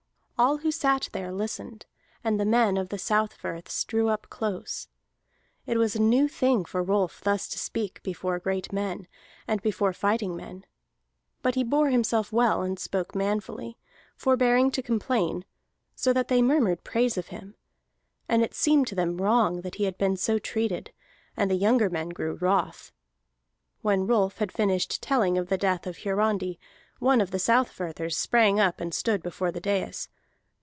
All who sat there listened, and the men of the South Firths drew up close. It was a new thing for Rolf thus to speak before great men, and before fighting men; but he bore himself well and spoke manfully, forbearing to complain, so that they murmured praise of him. And it seemed to them wrong that he had been so treated, and the younger men grew wroth. When Rolf had finished telling of the death of Hiarandi, one of the Southfirthers sprang up and stood before the dais.